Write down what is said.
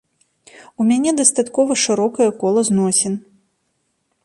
У мяне дастаткова шырокае кола зносін.